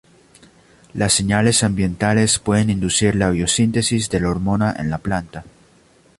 Las señales ambientales pueden inducir la biosíntesis de la hormona en la planta.